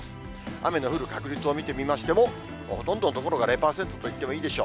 雨の降る確率を見てみましても、ほとんどの所が０％といってもいいでしょう。